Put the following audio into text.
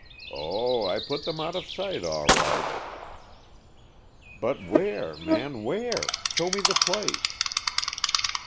"Oh, I put them out of sight, all right." "But where, man, where? Show me the place."